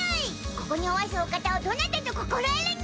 ここにおわすお方をどなたと心得るにゅい！